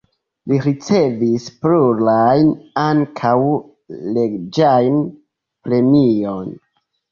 Li ricevis plurajn, ankaŭ reĝajn premiojn.